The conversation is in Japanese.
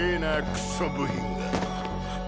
クソ部品が。